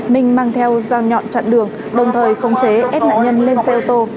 minh mang theo dao nhọn chặn đường đồng thời khống chế ép nạn nhân lên xe ô tô